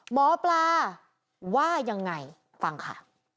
หมอปลาว่ายังไงฟังค่ะ